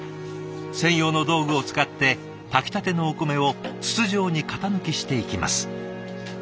専用の道具を使って炊きたてのお米を筒状に型抜きしていきます。